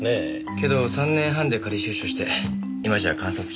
けど３年半で仮出所して今じゃ観察期間も終わってます。